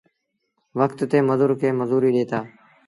وکت تي مزور کي مزوريٚ ڏئيٚتآ۔